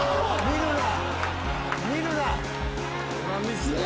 見るな！